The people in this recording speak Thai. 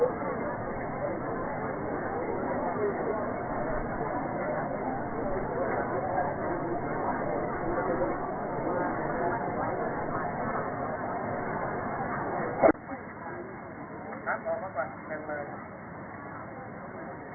ก็จะมีอันดับอันดับอันดับอันดับอันดับอันดับ